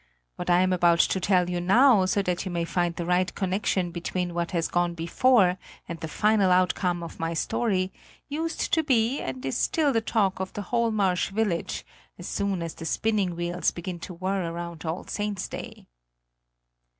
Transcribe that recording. What I am about to tell you now, so that you may find the right connection between what has gone before and the final outcome of my story, used to be and is still the talk of the whole marsh village, as soon as the spinning wheels begin to whir round All Saints' Day.